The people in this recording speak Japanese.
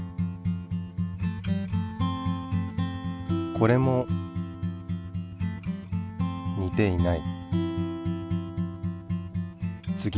これも似ていない。